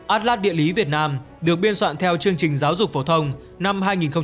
atlas địa lý việt nam được biên soạn theo chương trình giáo dục phổ thông năm hai nghìn sáu